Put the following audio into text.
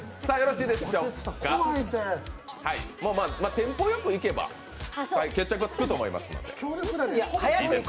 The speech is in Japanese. テンポよくいけば決着はつくと思いますので。